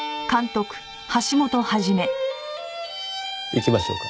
行きましょうか。